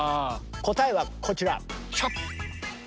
答えはこちら。